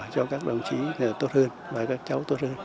cho các đồng chí tốt hơn và các cháu tốt hơn